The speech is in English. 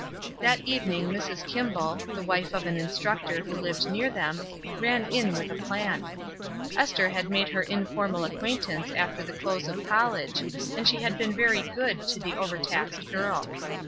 That evening Mrs. Kimball, the wife of an instructor who lived near them, ran in with a LOVE 255 plan. Esther had made her informal acquaint ance after the close of college, and she had been very "good" to the overtaxed girl.